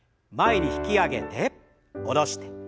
前に引き上げて下ろして。